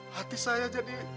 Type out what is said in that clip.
hati saya jadi